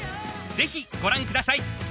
ぜひご覧ください